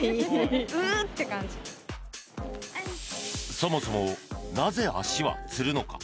そもそも、なぜ足はつるのか？